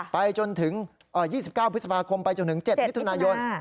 ไปจนถึง๒๙พฤษภาคมไปจนถึง๗มิถุนายน